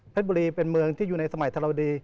บุรีเป็นเมืองที่อยู่ในสมัยธรวดี